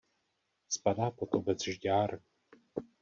Spadá pod obec Žďár.